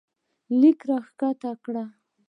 لیک راښکته کړه